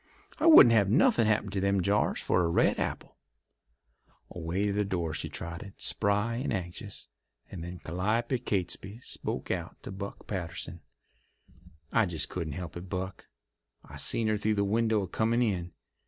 I wouldn't have nothin' happen to them jars for a red apple." Away to the door she trotted, spry and anxious, and then Calliope Catesby spoke out to Buck Patterson: "I just couldn't help it, Buck. I seen her through the window a comin' in.